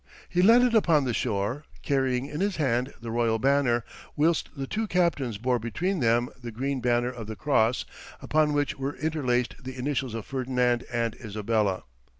He landed upon the shore, carrying in his hand the royal banner, whilst the two captains bore between them the green banner of the Cross, upon which were interlaced, the initials of Ferdinand and Isabella.